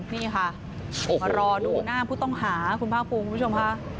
นี่ค่ะมารอดูหน้าผู้ต้องหาคุณภาคภูมิคุณผู้ชมค่ะ